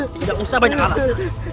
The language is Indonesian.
tidak usah banyak alasan